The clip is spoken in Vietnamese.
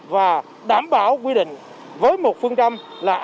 và đảm bảo quy định với một phương trăm là an toàn